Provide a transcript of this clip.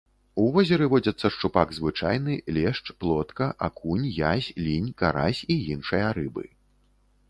У возеры водзяцца шчупак звычайны, лешч, плотка, акунь, язь, лінь, карась і іншыя рыбы.